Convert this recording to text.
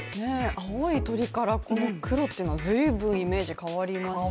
青い鳥からこの黒というのはずいぶんイメージ変わりますよね。